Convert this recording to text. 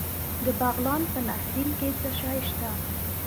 د بغلان په نهرین کې څه شی شته؟